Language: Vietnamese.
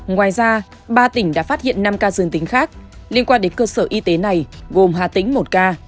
ngoài ra ba tỉnh đã phát hiện năm ca dương tính khác liên quan đến cơ sở y tế này gồm hà tĩnh một ca